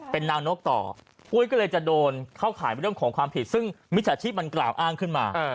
เป็นนางนกต่ออุ้ยก็เลยจะโดนเข้าขายเรื่องของความผิดซึ่งมิจฉาชีพมันกล่าวอ้างขึ้นมา